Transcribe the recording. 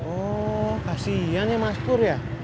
oh kasihan ya mas pur ya